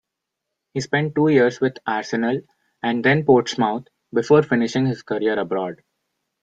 He spent two years with Arsenal and then Portsmouth before finishing his career abroad.